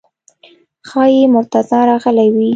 ښایي مرتضی راغلی وي.